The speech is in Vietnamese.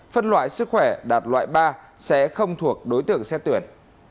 phân loại sức khỏe đạt loại ba sẽ không thuộc đối tượng xét tuyển